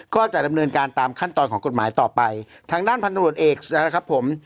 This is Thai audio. ก็จะดำเนินการตามขั้นตอนของกฎหมายต่อไปทางด้านพันธุรกิจเอกนะครับผม